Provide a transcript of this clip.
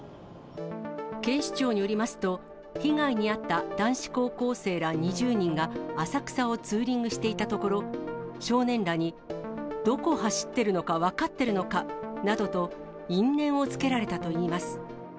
警視庁によりますと、被害に遭った男子高校生ら２０人が、浅草をツーリングしていたところ、少年らにどこ走ってるのか分かってるのか、などと因縁をつけられたといいます。